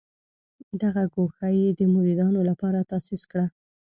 دغه ګوښه یې د مریدانو لپاره تاسیس کړه.